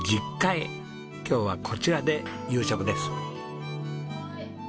今日はこちらで夕食です。